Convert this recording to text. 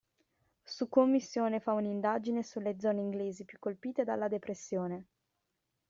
Su commissione fa un'indagine sulle zone inglesi più colpite dalla depressione.